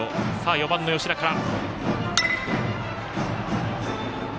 ４番の吉田から。